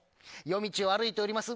夜道を歩いております。